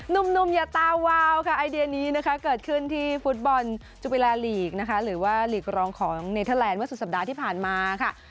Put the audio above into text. หนุ่มอย่าตาวาวค่ะไอเดียนี้นะคะเกิดขึ้นที่ฟุตบอลจุปิแลนดลีกนะคะหรือว่าหลีกรองของเนเทอร์แลนด์เมื่อสุดสัปดาห์ที่ผ่านมาค่ะ